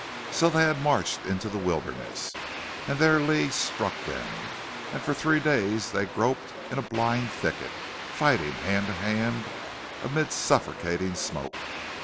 So they had marched into the Wilderness, and there Lee struck them, and for three days they groped in a blind thicket, fighting hand to hand, amid suffocating smoke.